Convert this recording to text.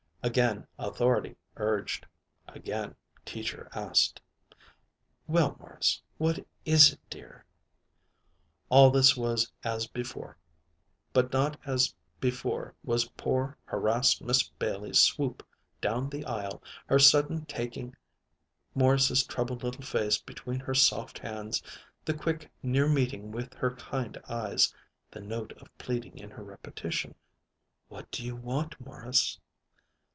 Again authority urged. Again Teacher asked: "Well, Morris, what is it, dear?" All this was as before, but not as before was poor harassed Miss Bailey's swoop down the aisle, her sudden taking Morris's troubled little face between her soft hands, the quick near meeting with her kind eyes, the note of pleading in her repetition: "What do you want, Morris?"